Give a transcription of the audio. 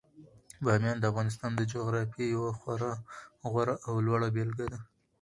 بامیان د افغانستان د جغرافیې یوه خورا غوره او لوړه بېلګه ده.